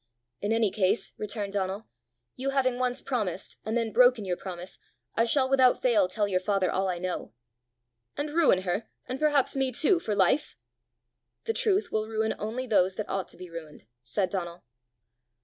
"In any case," returned Donal, "you having once promised, and then broken your promise, I shall without fail tell your father all I know." "And ruin her, and perhaps me too, for life?" "The truth will ruin only those that ought to be ruined!" said Donal.